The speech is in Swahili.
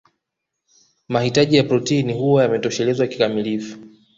Mahitaji ya protini huwa yametoshelezwa kikamilifu